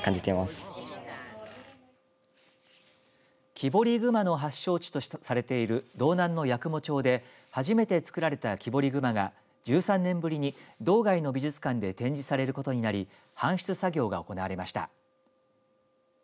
木彫り熊の発祥地とされている道南の八雲町で初めて作られた木彫り熊が１３年ぶりに道外の美術館で展示されることになり搬出作業が行われました。